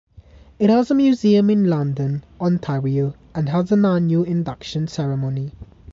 It has a museum in London, Ontario, and has an annual induction ceremony.